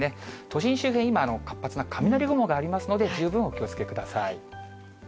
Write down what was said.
都心周辺、今、活発な雷雲がありますので、十分お気をつけください。